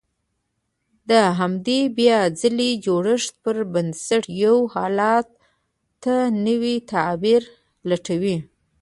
د همدې بيا ځلې جوړښت پر بنسټ يو حالت ته نوی تعبير لټوي.